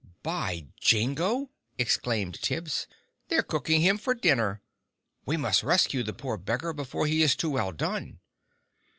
"By jingo!" exclaimed Tibbs, "they're cooking him for dinner! We must rescue the poor beggar before he is too well done!"